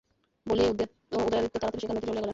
বলিয়াই উদয়াদিত্য তাড়াতাড়ি সেখান হইতে চলিয়া গেলেন।